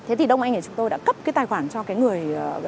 thế thì đông anh chúng tôi đã cấp tài khoản cho người